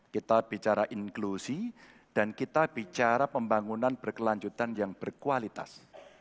kita bicara inklusi dan kita bicara pembangunan berkelanjutan yang berkualitas